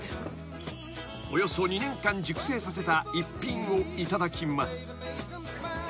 ［およそ２年間熟成させた逸品をいただきます］